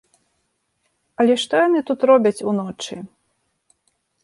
Але што яны тут робяць уночы?